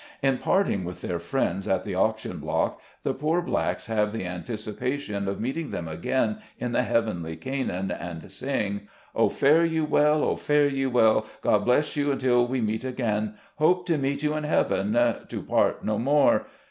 In parting with their friends at the auction block, the poor blacks have the anticipation of meeting them again in the heavenly Canaan, and sing —" O, fare you well, O, fare you well ! God bless you until we meet again ; Hope to meet you in heaven, to part no more.